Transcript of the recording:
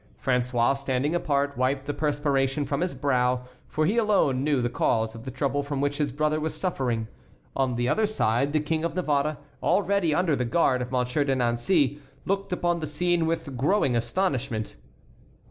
François, standing apart, wiped the perspiration from his brow, for he alone knew the cause of the trouble from which his brother was suffering. On the other side the King of Navarre, already under the guard of Monsieur de Nancey, looked upon the scene with growing astonishment.